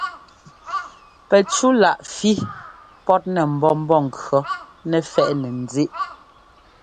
Pɛcúláꞌ fí pɔ́tnɛ mbɔ̌ Mbɔ́ŋkʉɔ́ nɛ fɛ́ꞌnɛ ńzíꞌ.